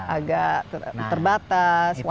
agak terbatas wifi nya lambat